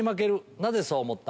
なぜそう思った？